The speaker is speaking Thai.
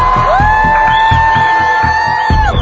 สวัสดีครับ